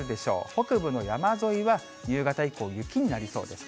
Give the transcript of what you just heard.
北部の山沿いは夕方以降、雪になりそうです。